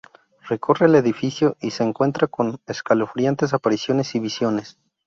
Recorre el edificio y se encuentra con escalofriantes apariciones y visiones.